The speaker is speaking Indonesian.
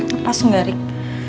lepas gak rik